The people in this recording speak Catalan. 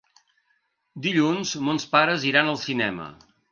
Dilluns mons pares iran al cinema.